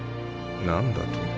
何だと？